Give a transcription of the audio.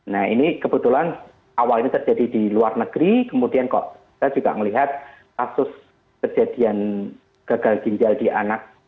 nah ini kebetulan awal ini terjadi di luar negeri kemudian kok kita juga melihat kasus kejadian gagal ginjal di anak